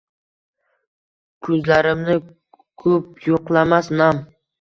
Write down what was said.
Kuzlarimni kup yuqlamas nam